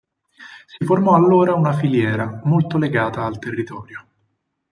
Si formò allora una filiera, molto legata al territorio.